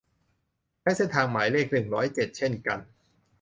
ใช้เส้นทางหมายเลข หนึ่งร้อยเจ็ด เช่นกัน